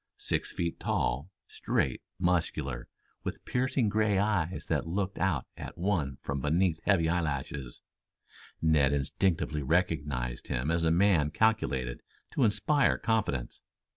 Six feet tall, straight, muscular, with piercing gray eyes that looked out at one from beneath heavy eyelashes, Ned instinctively recognized him as a man calculated to inspire confidence.